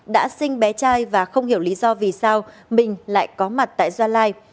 đã sinh bé trai và không hiểu lý do vì sao mình lại có mặt tại gia lai